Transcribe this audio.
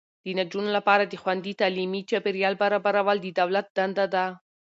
د نجونو لپاره د خوندي تعلیمي چاپیریال برابرول د دولت دنده ده.